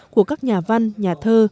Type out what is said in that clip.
của các nhà văn nhà thơ